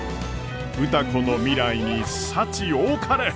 歌子の未来に幸多かれ！